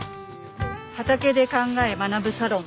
畑で考え学ぶサロン